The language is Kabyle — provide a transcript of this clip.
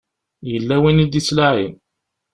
Yella win i d-ittlaɛin.